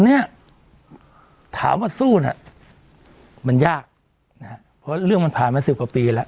เนี่ยถามว่าสู้เนี่ยมันยากนะฮะเพราะเรื่องมันผ่านมาสิบกว่าปีแล้ว